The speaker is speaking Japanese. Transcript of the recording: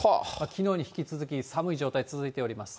きのうに引き続き、寒い状態続いております。